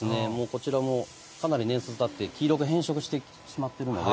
こちらもかなり年数がたって黄色く変色してしまっているので。